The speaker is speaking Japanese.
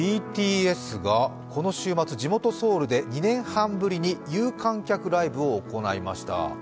ＢＴＳがこの週末、地元ソウルで２年半ぶりに有観客ライブを行いました。